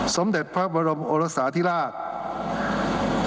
สมเด็จพระบรมโอรสาธิราช